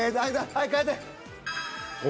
はい変えて。